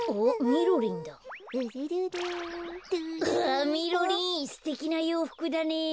みろりんすてきなようふくだね。